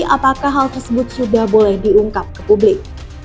apakah hal tersebut sudah boleh diungkap ke publik